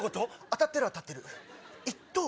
当たってるは当たってる。